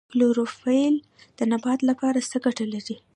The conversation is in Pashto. کلوروفیل د نبات لپاره څه ګټه لري